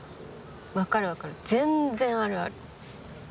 分かる分かる、全然あるある。